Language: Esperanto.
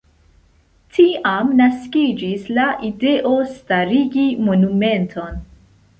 Tiam naskiĝis la ideo starigi monumenton.